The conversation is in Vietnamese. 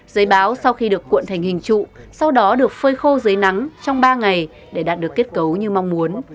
giấy báo sau khi được cuộn thành hình trụ sau đó được phơi khô giấy nắng trong ba ngày để đạt được kết cấu như mong muốn